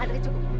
ada kan cukup